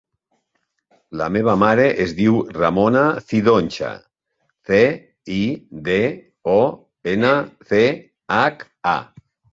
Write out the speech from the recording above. La meva mare es diu Ramona Cidoncha: ce, i, de, o, ena, ce, hac, a.